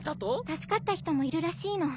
助かった人もいるらしいの。